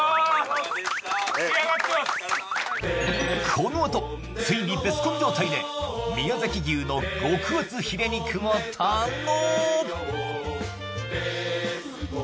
このあとついにベスコン状態で宮崎牛の極厚ヒレ肉を堪能